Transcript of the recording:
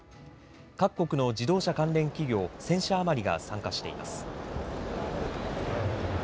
各国の自動車関連企業１０００社余りが参加しています。